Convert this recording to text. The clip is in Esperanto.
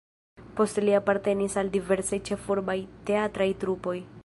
Poste li apartenis al diversaj ĉefurbaj teatraj trupoj.